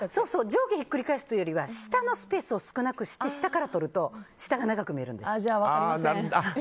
上下ひっくり返すというより下のスペースを少なくして下からとると足が長くなるんです。